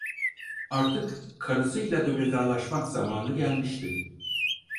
Artık karısıyla da vedalaşmak zamanı gelmişti.